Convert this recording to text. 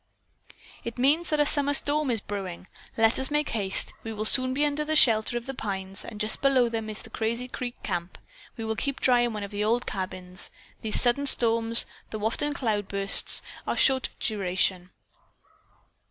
"It means that a summer storm is brewing. Let us make haste. We will soon be under the shelter of the pines and just below them is the Crazy Creek camp. We will keep dry in one of the old cabins. These sudden storms, though often cloudbursts, are of short duration."